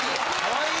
はい。